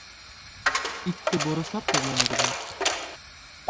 Итте борослап тоҙланығыҙмы?